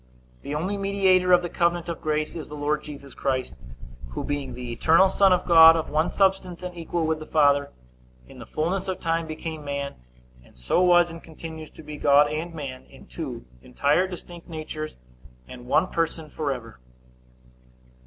The only mediator of the covenant of grace is the Lord Jesus Christ, who, being the eternal Son of God, of one substance and equal with the Father, in the fullness of time became man, and so was and continues to be God and man, in two entire distinct natures, and one person, forever.